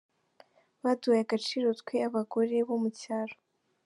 Baduhaye agaciro twe abagore bo mu cyaro.